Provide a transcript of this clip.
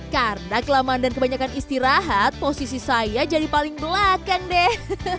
karena kelamaan dan kebanyakan istirahat posisi saya jadi paling belakang deh